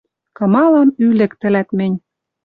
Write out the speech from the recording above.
Кымалам ӱлӹк тӹлӓт мӹнь.